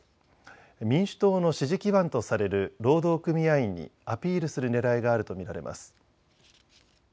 民主党の支持基盤とされる労働組合員にアピールするねらいがあると見られます。